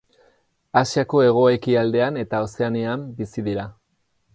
Asiako hego-ekialdean eta Ozeanian bizi dira.